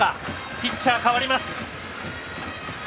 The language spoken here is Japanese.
ピッチャー、代わります。